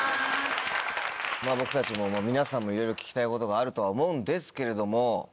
僕たちも皆さんもいろいろ聞きたいことがあるとは思うんですけれども。